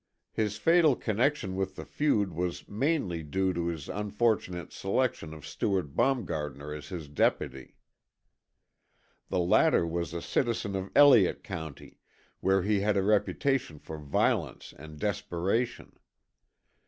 His fatal connection with the feud was mainly due to his unfortunate selection of Stewart Baumgartner as his deputy. The latter was a citizen of Elliott County, where he had a reputation for violence and desperation.